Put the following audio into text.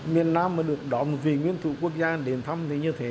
miền nam mà được đón một vị nguyên thủ quốc gia đến thăm thì như thế